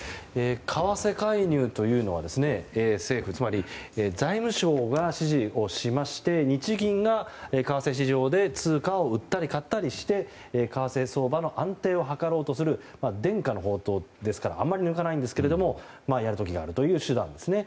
為替介入は政府、つまり財務省が指示をしまして日銀が為替市場で通貨を売ったり買ったりして為替相場の安定を図ろうとする伝家の宝刀ですからあまり、抜かないんですがやる時があるという手段ですね。